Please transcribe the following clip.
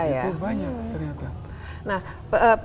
iya itu banyak ternyata